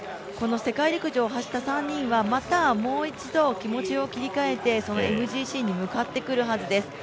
世界陸上を走った３人はまたもう一度、気持ちを切り替えてＭＧＣに向かってくるはずです。